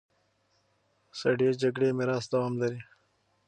سړې جګړې میراث دوام لري.